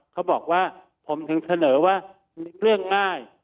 เขาบอกว่าผมถึงเสนอว่ามีเรื่องง่าย